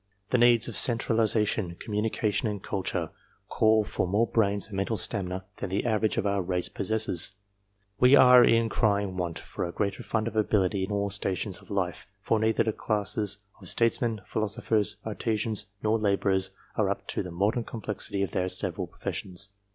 The needs of centralization, communica tion, and culture, call for more brains and mental stamina than the average of our race possess. We are in crying want for a greater fund of ability in all stations of life ; for neither the classes of statesmen, philosophers, artisans, nor labourers are up to the modern complexity of their several professions.